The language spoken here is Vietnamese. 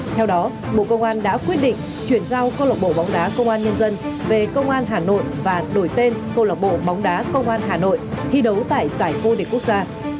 theo đó bộ công an đã quyết định chuyển giao câu lọc bộ bóng đá công an nhân dân về công an hà nội và đổi tên câu lạc bộ bóng đá công an hà nội thi đấu tại giải vô địch quốc gia